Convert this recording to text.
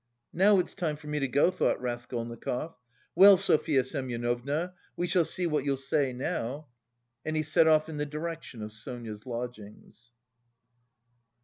"Now it's time for me to go," thought Raskolnikov. "Well, Sofya Semyonovna, we shall see what you'll say now!" And he set off in the direction of Sonia's lodgings.